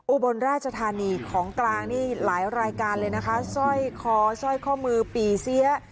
อุบลราชธานีของกลางนี่หลายรายการเลยนะคะสร้อยคอสร้อยข้อมือปี่เสีย